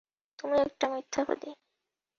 তুমি একটা মিথ্যাবাদী!